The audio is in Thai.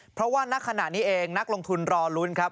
เพราะว่าณขณะนี้เองนักลงทุนรอลุ้นครับ